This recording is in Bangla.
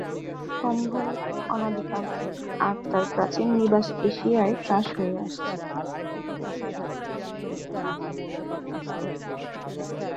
সম্ভবত অনাদিকাল থেকেই আখ তার প্রাচীন নিবাস এশিয়ায় চাষ হয়ে আসছে।